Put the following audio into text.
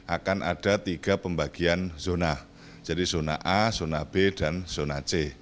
akan ada tiga pembagian zona jadi zona a zona b dan zona c